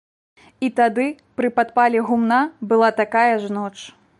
І тады, пры падпале гумна, была такая ж ноч.